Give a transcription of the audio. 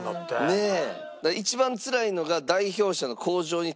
ねえ。